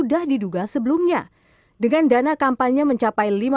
kami siap untuk melindungi mereka